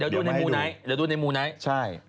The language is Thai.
เดี๋ยวดูในมูไนท์